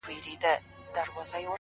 د شپې د راج معراج کي د سندرو ننداره ده-